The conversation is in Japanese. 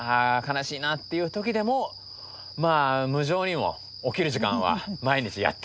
悲しいなっていう時でもまあ無情にも起きる時間は毎日やってくると。